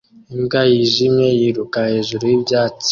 Imbwa yijimye yiruka hejuru yibyatsi